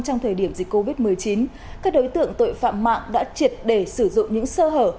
trong thời điểm dịch covid một mươi chín các đối tượng tội phạm mạng đã triệt để sử dụng những sơ hở